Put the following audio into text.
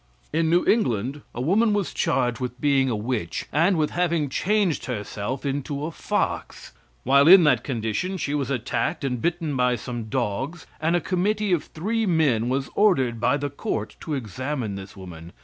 In New England a woman was charged with being a witch and with having changed herself into a fox; while in that condition she was attacked and bitten by some dogs, and a committee of three men was ordered by the Court to examine this woman.